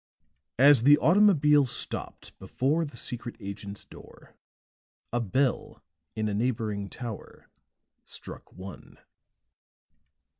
As the automobile stopped before the secret agent's door, a bell in a neighboring tower struck one.